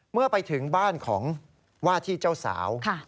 เมื่อไปถึงบ้านของว่าที่เจ้าสาว